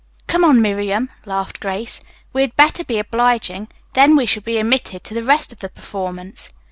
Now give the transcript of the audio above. "Come on, Miriam," laughed Grace. "We had better be obliging. Then we shall be admitted to the rest of the performance."